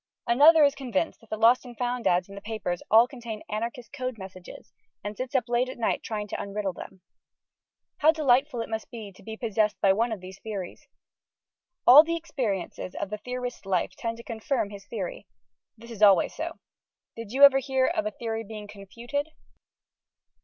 Another is convinced that the Lost and Found ads in the papers all contain anarchist code messages, and sits up late at night trying to unriddle them. How delightful it must be to be possessed by one of these Theories! All the experiences of the theorist's life tend to confirm his Theory. This is always so. Did you ever hear of a Theory being confuted?